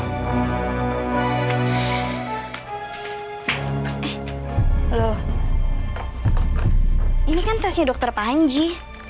loh ini kan tesnya dokter panji